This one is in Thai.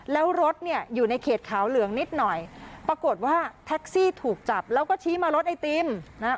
แล้วรถเนี่ยอยู่ในเขตขาวเหลืองนิดหน่อยปรากฏว่าแท็กซี่ถูกจับแล้วก็ชี้มารถไอติมนะฮะ